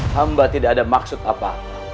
hamba tidak ada maksud apa